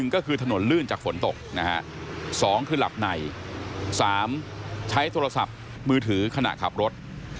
ก็คือถนนลื่นจากฝนตกนะฮะ๒คือหลับใน๓ใช้โทรศัพท์มือถือขณะขับรถ